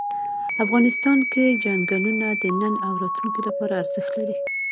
افغانستان کې چنګلونه د نن او راتلونکي لپاره ارزښت لري.